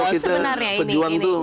kalau kita pejuang tuh